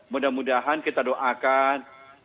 mudah mudahan kita doakan